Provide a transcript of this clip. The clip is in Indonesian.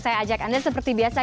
saya ajak anda seperti biasa